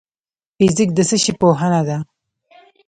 فزیک د څه شي پوهنه ده؟